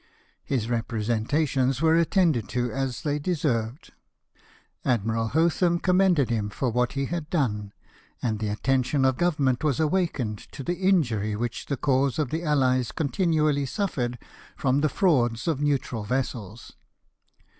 His representations were attended to as they deserved. Admiral Hotham commended him for what he had done; and the attention of Government was awakened to the injury which the cause of the Allies continually suffered from the frauds of neutral vessels.